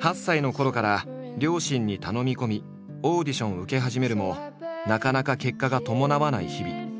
８歳のころから両親に頼み込みオーディションを受け始めるもなかなか結果が伴わない日々。